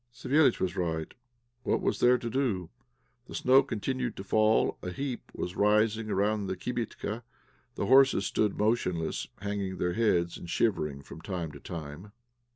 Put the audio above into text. Savéliitch was right. What was there to do? The snow continued to fall a heap was rising around the kibitka. The horses stood motionless, hanging their heads and shivering from time to time.